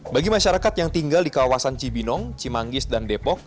bagi masyarakat yang tinggal di kawasan cibinong cimanggis dan depok